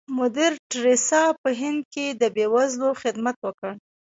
مدر ټریسا په هند کې د بې وزلو خدمت وکړ.